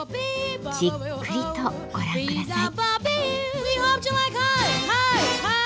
じっくりとご覧ください。